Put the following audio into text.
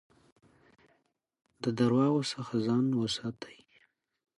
د درواغو څخه ځان وساتئ.